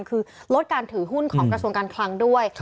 คือลดการถือหุ้นของกระทรวงการคลังด้วย